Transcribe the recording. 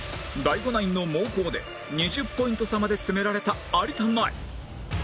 ＤＡＩＧＯ ナインの猛攻で２０ポイント差まで詰められた有田ナイン